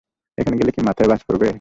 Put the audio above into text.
এখন গেলে কি মাথায় বাজ পড়বে?